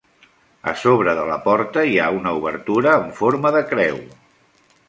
A sobre de la porta hi ha una obertura amb forma de creu.